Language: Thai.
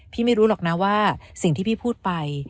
ไม่รู้หรอกนะว่าสิ่งที่พี่พูดไป